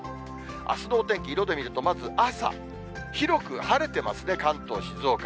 あすのお天気、色で見ると、まず朝、広く晴れてますね、関東、静岡。